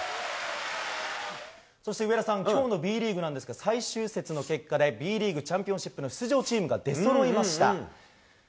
そして上田さん、きょうのＢリーグなんですけど、最終節の結果で、Ｂリーグチャンピオンシップの出場チームが出そろいました。